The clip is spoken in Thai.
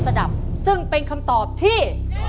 ดับซึ่งเป็นคำตอบที่